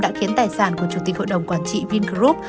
đã khiến tài sản của chủ tịch hội đồng quản trị vingroup